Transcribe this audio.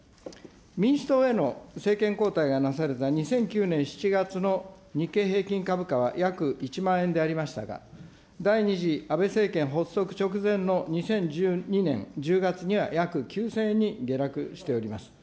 民主党への政権交代がなされた２００９年７月の日経平均株価は約１万円でありましたが、第２次安倍政権発足直前の２０１２年１０月には約９０００円に下落しております。